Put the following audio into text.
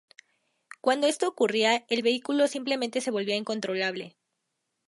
Cuando esto ocurría, el vehículo simplemente se volvía incontrolable.